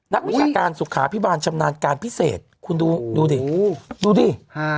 วิชาการสุขาพิบาลชำนาญการพิเศษคุณดูดูดิดูดิ